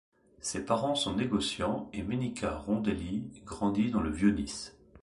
Ses parents sont négoçiants et Menica Rondelly grandit dans le vieux-Nice.